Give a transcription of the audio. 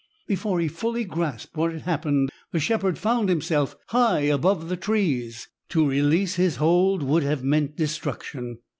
Before he fully grasped what had happened, the shepherd found himself high above the trees. To release his hold would have meant destruction.